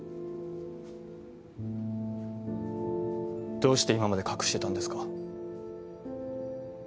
どうして今まで隠してたんですか？